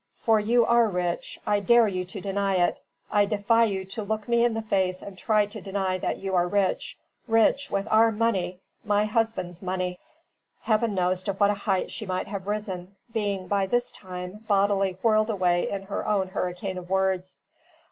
"For you are rich, I dare you to deny it; I defy you to look me in the face and try to deny that you are rich rich with our money my husband's money " Heaven knows to what a height she might have risen, being, by this time, bodily whirled away in her own hurricane of words.